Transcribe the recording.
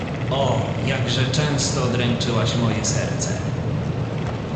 O, jakże często dręczyłaś moje serce!